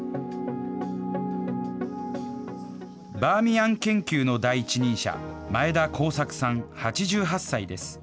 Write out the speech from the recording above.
バーミヤン研究の第一人者、前田耕作さん８８歳です。